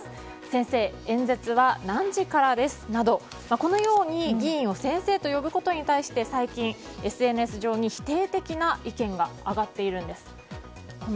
先生、演説は何時からですなどこのように議員を先生と呼ぶことに対して最近、ＳＮＳ上に否定的な意見が上がっているんです。